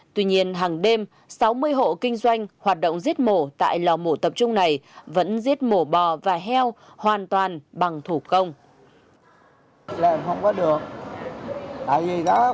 tuy nhiên hàng đêm sáu mươi hộ kinh doanh hoạt động giết mổ tại lò mổ tập trung này vẫn giết mổ bò và heo hoàn toàn bằng thủ công